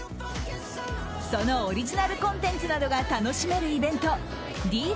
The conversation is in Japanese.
そのオリジナルコンテンツなどが楽しめるイベント